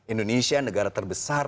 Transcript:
indonesia negara terbesar